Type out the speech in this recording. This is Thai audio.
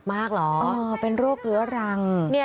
โมง